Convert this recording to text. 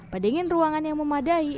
pendingin ruangan yang memadai